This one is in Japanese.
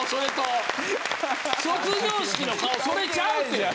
卒業式の顔、それちゃうって。